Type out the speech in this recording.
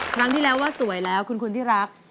ครั้งที่แล้วว่าสวยแล้วคุณที่รัก